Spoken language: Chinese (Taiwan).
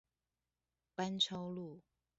班超路